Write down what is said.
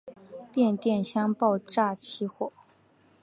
变电箱爆炸起火。